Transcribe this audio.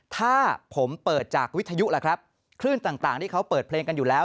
ถ้าผมเปิดจากวิทยุล่ะครับคลื่นต่างที่เขาเปิดเพลงกันอยู่แล้ว